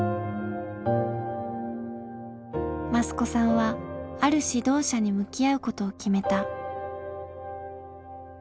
益子さんはある指導者に向き合うことを決めた。